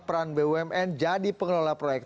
peran bumn jadi pengelola proyek